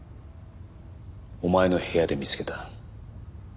お前の部屋で見つけた。